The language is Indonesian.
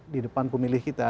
di depan pemilih kita